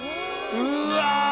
うわ！